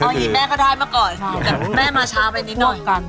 อย่างนี้แม่ก็ได้มาก่อนแต่แม่มาช้าไปนิดหน่อย